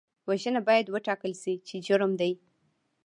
وژنه باید وټاکل شي چې جرم دی